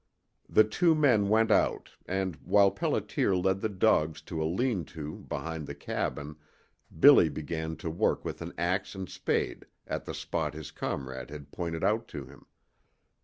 The two men went out, and while Pelliter led the dogs to a lean to behind the cabin Billy began to work with an ax and spade at the spot his comrade had pointed out to him.